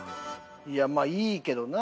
いやまあいいけどな。